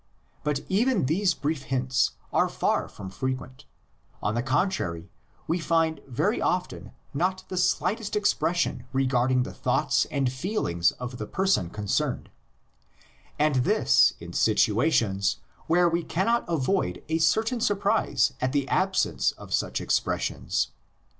But even these brief hints are far from fre quent; on the contrary, we find very often not the slightest expression regarding the thoughts and feelings of the person concerned, and this in situa tions where we cannot avoid a certain surprise at the absence of such expressions.